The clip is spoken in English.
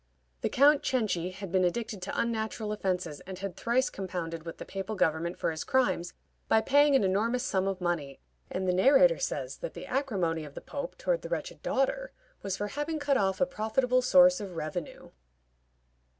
The Count Cenci had been addicted to unnatural offenses, and had thrice compounded with the papal government for his crimes by paying an enormous sum of money, and the narrator says that the acrimony of the Pope toward the wretched daughter was for having cut off a profitable source of revenue.